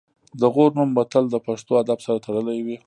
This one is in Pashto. د غور نوم به تل د پښتو ادب سره تړلی وي